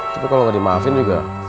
tapi kalau nggak dimaafin juga